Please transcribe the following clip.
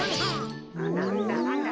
なんだなんだ？